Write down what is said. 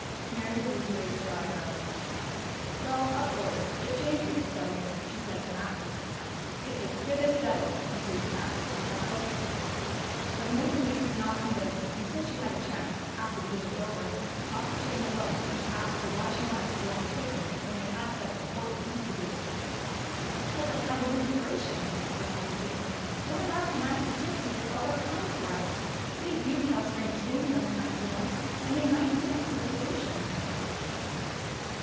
Mary Louise raised her eyebrows. "Well, of course, if Jane thinks so " she said to Max. "It's as good as settled," concluded Max, with a chuckle. But Mary Louise was not convinced until she had a chance, after the game was over, to talk to Jane alone and to ask her why she wanted to go on the picnic when they had such important things to do. "Because I had an inspiration," replied Jane. "One of us can ask the gypsy to solve our crime for us! They do tell strange things, sometimes, you know and they might lead us to the solution!"